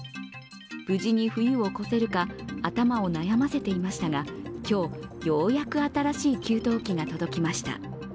無事に冬を越せるか頭を悩ませていましたが今日、ようやく新しい給湯器が届きました。